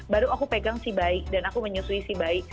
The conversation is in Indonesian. baru aku pegang si bayi dan aku menyusui si bayi